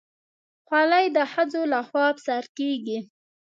خولۍ د ښځو لخوا پسه کېږي.